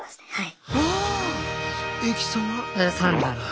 はい。